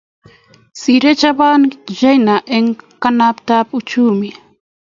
Sirei Japan China eng kimnatetab uchumi